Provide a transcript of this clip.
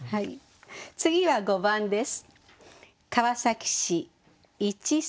次は５番です。